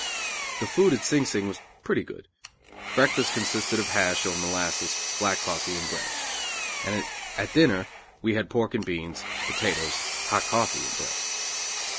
The food at Sing Sing was pretty good. Breakfast consisted of hash or molasses, black coffee and bread; and at dinner we had pork and beans, potatoes, hot coffee and bread.